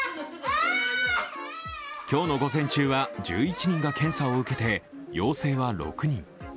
今日の午前中は１１人が検査を受けて陽性は６人。